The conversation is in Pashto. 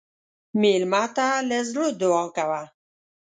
مېلمه ته له زړه دعا کوه.